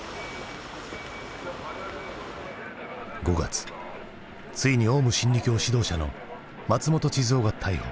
５月ついにオウム真理教指導者の松本智津夫が逮捕。